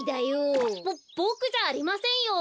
ボボクじゃありませんよ！